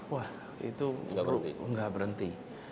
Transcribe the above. wah itu tidak berhenti